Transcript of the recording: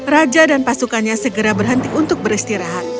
raja dan pasukannya segera berhenti untuk beristirahat